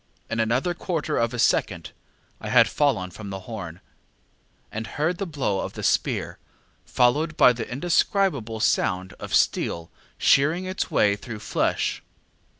In another quarter of a second I had fallen from the horn, and heard the blow of the spear, followed by the indescribable sound of steel shearing its way through flesh.